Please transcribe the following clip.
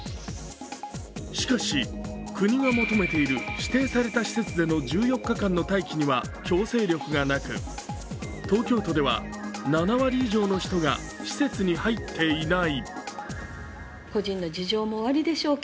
しかし、国が求めている指定された施設での１４日間の待機には強制力がなく東京都では７割以上の人が施設に入っていない。